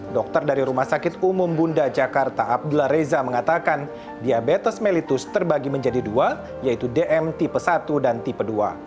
dokter dari rumah sakit umum bunda jakarta abdullah reza mengatakan diabetes mellitus terbagi menjadi dua yaitu dm tipe satu dan tipe dua